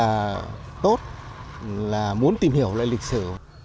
rất là tốt là muốn tìm hiểu lại lịch sử